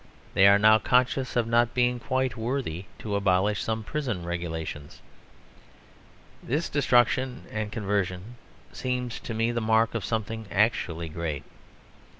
They are now conscious of not being quite worthy to abolish some prison regulations. This destruction and conversion seem to me the mark of something actually great.